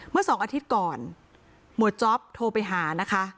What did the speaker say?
เมื่อสองอาทิตย์ก่อนหมวดจ๊อปโทรไปหานะคะ